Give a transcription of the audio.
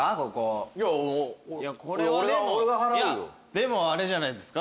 でもあれじゃないですか。